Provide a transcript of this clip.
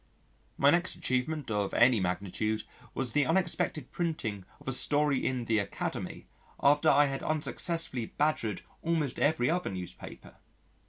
My next achievement of any magnitude was the unexpected printing of a story in the Academy after I had unsuccessfully badgered almost every other newspaper.